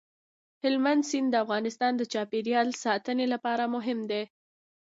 هلمند سیند د افغانستان د چاپیریال ساتنې لپاره مهم دی.